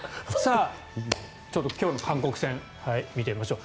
今日の韓国戦、見てみましょう。